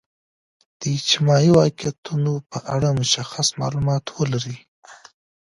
د اجتماعي واقعیتونو په اړه مشخص معلومات ولرئ.